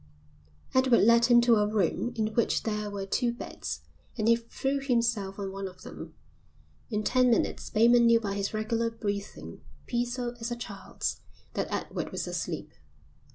Edward led him to a room in which there were two beds and he threw himself on one of them. In ten minutes Bateman knew by his regular breathing, peaceful as a child's, that Edward was asleep.